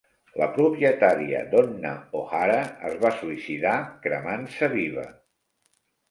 La propietària Donna O'Hara es va suïcidar cremant-se viva.